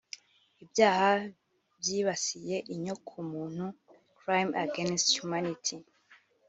ibyaha byibasiye inyoko muntu (crimes against humanity)